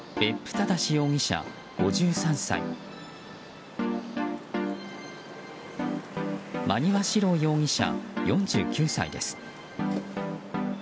正容疑者、５３歳馬庭史郎容疑者、４９歳です。